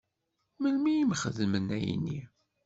Melmi i m-xedmen ayenni?